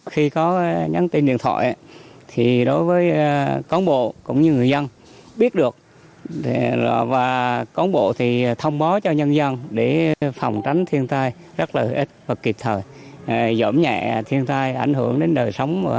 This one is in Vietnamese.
khi có nhắn tin điện thoại thì đối với công bộ cũng như người dân biết được và công bộ thì thông báo cho nhân dân để phòng tránh thiên tai rất là ít và kịp thời